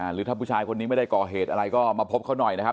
หรือถ้าผู้ชายคนนี้ไม่ได้ก่อเหตุอะไรก็มาพบเขาหน่อยนะครับ